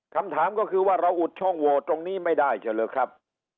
คำถามก็คือว่าเราอุดช่องโหวตตรงนี้ไม่ได้เฉลอครับ